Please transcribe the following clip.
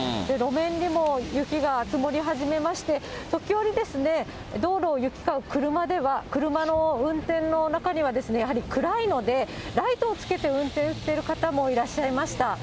路面にも雪が積もり始めまして、時折ですね、道路を行き交う車では、車の運転の中には、やはり暗いので、ライトをつけて運転している方もいらっしゃいました。